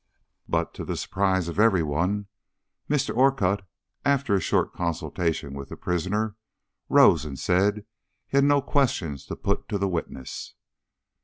But, to the surprise of every one, Mr. Orcutt, after a short consultation with the prisoner, rose and said he had no questions to put to the witness.